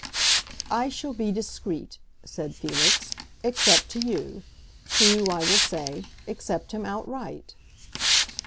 "I shall be discreet," said Felix, "except to you. To you I will say, Accept him outright."